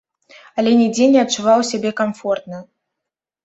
Але нідзе не адчуваў сябе камфортна.